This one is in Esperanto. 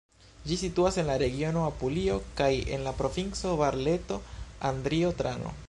Ĝi situas en la regiono Apulio kaj en la provinco Barleto-Andrio-Trano.